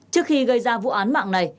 trước khi gây ra vụ án mạng này